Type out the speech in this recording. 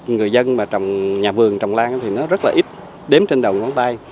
người dân mà trồng nhà vườn trồng lan thì nó rất là ít đếm trên đầu ngón tay